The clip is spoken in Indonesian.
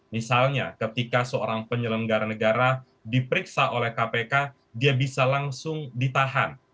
misalnya ketika seorang penyelenggara negara diperiksa oleh kpk dia bisa langsung ditahan